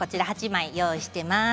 ８枚用意しています。